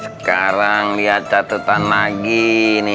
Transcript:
sekarang liat catetan lagi ini